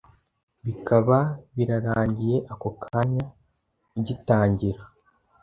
bikaba birarangiye ako kanya ugitangira